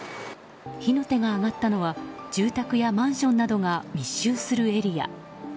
火の手が上がったのは住宅やマンションなどが密集するエリア。